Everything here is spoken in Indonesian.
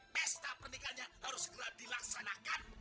pesta pernikahannya harus segera dilaksanakan